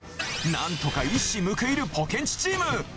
なんとか一矢報いるポケんちチーム。